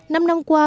năm năm qua